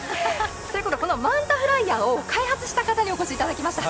このマンタフライヤーを開発した方にお越しいただきました。